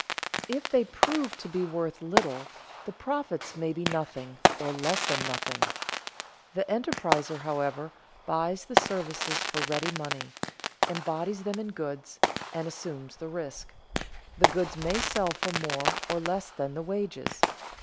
If they prove to be worth little, the profits may be nothing or less than nothing. The enterpriser, however, buys the services for ready money, embodies them in goods, and assumes the risk; the goods may sell for more or less than the wages.